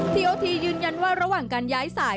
ทีโอทียืนยันว่าระหว่างการย้ายสาย